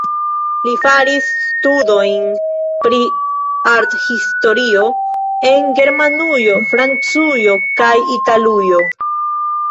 Li faris studojn pri arthistorio en Germanujo, Francujo kaj Italujo.